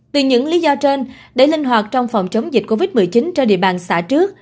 từ những lý do trên để linh hoạt trong phòng chống dịch covid một mươi chín trên địa bàn xã trước